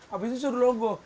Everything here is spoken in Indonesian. habis itu suruh logoh